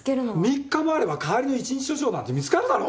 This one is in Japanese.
３日もあれば代わりの１日署長なんて見つかるだろ。